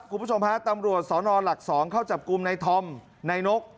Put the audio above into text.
คุณผู้ชมฮะตำรวจสนหลัก๒เข้าจับกลุ่มในธอมในนก